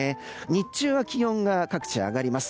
日中は気温が各地上がります。